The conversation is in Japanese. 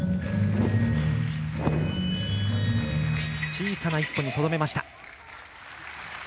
小さな１歩にとどめました。